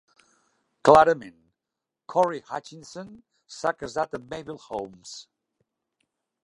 Clarament, Corry Hutchinson s'ha casat amb Mabel Holmes.